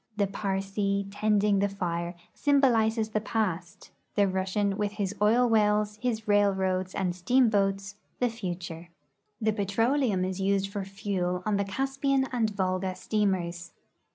The Parsee tending the fire symbolizes the past; the Russian Avith his oil Avells, his railroads, and steamboats, the future. The petroleum is used for fuel on the Caspian and Volga steamers.